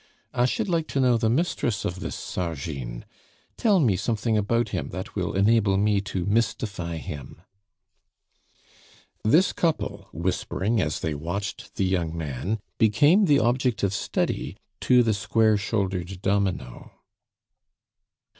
I should like to know the mistress of this Sargine; tell me something about him that will enable me to mystify him." This couple, whispering as they watched the young man, became the object of study to the square shouldered domino.